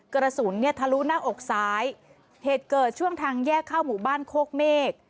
กระสุนเนี่ยทะลุหน้าอกซ้ายเหตุเกิดช่วงทางแยกเข้าหมู่บ้านโคกเมฆ